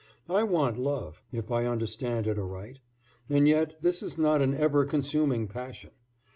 I want love, if I understand it aright. And yet this is not an ever consuming passion.